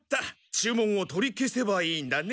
注文を取り消せばいいんだね。